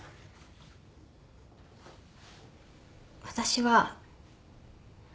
私は。